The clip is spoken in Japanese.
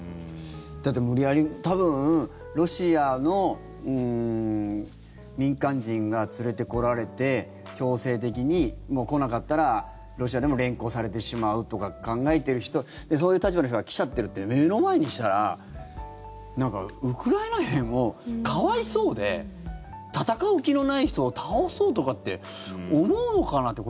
だって無理やり多分、ロシアの民間人が連れてこられて、強制的に来なかったらロシアでも連行されてしまうとか考えてる人そういう立場の人が来ちゃってるって目の前にしたらウクライナ兵も可哀想で戦う気のない人を倒そうとかって思うのかなって